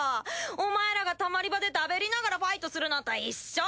お前らがたまり場でだべりながらファイトするのと一緒！